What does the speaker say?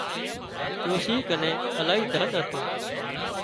ڏوشي ڪنين الاهي ڌن هتون